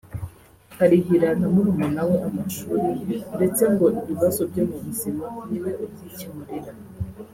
akarihira na murumuna we amashuri ndetse ngo ibibazo byo mu buzima ni we ubyikemurira